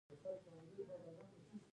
د کندهار تربوز هم ډیر کیفیت لري.